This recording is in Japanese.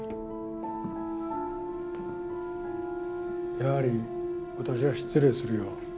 やはり私は失礼するよ。